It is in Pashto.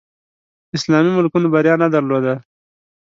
اسلامي ملکونو بریا نه درلوده